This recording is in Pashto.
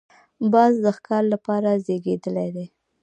باز د ښکار لپاره زېږېدلی دی